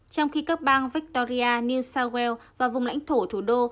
trong khi các bang victoria new south wales và vùng lãnh thổ thủ đô